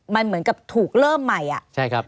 มันเหมือนกับถูกเริ่มใหม่